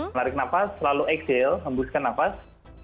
menarik nafas selalu eksil hembuskan nafas